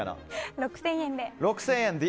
６０００円で。